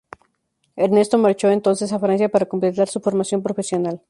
Ernesto marchó entonces a Francia para completar su formación profesional.